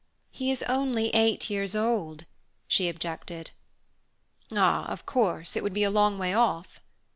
"He is only eight years old!" she objected. "Ah, of course it would be a long way off?"